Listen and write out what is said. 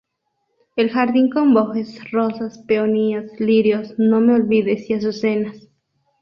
El jardín con bojes, rosas, peonías, lirios, no-me-olvides y azucenas.